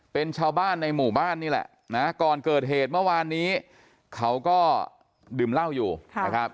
เป็นชาวบ้านในหมู่บ้านนี่แหละนะก่อนเกิดเหตุเมื่อวานนี้เขาก็ดื่มเหล้าอยู่นะครับ